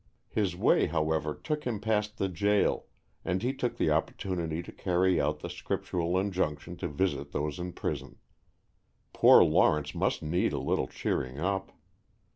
His way, however, took him past the jail, and he took the opportunity to carry out the scriptural injunction to visit those in prison. Poor Lawrence must need a little cheering up.